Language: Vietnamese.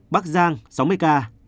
bắc giang sáu mươi ca